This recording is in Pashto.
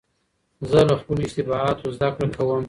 زه له خپلو اشتباهاتو زدهکړه کوم.